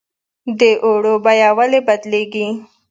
د اوړو بیه ولې بدلیږي؟